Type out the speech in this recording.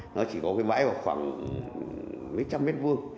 nó chỉ có cái bãi vào khoảng mấy trăm mét vuông